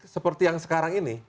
seperti yang sekarang ini